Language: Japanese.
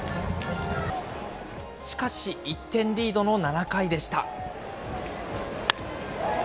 しかし１点リードの７回でした。